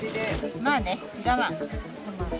まあね、我慢。